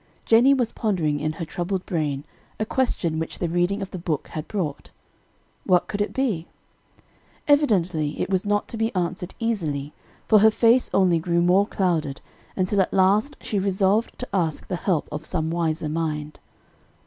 Jennie was pondering in her troubled brain a question which the reading of the book had brought. What could it be? Evidently it was not to be answered easily, for her face only grew more clouded, until at last she resolved to ask the help of some wiser mind.